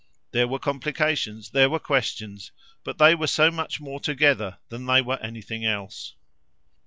There were complications, there were questions; but they were so much more together than they were anything else.